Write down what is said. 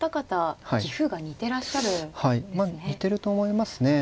まあ似てると思いますね。